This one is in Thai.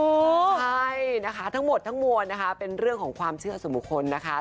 ใช่นะคะทั้งหมดทั้งมวลนะคะเป็นเรื่องของความเชื่อส่วนบุคคลนะคะ